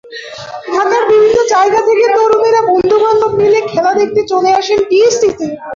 ঢাকার বিভিন্ন জায়গা থেকে তরুণেরা বন্ধুবান্ধব মিলে খেলা দেখতে চলে আসেন টিএসসিতে।